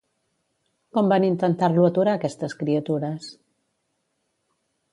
Com van intentar-lo aturar aquestes criatures?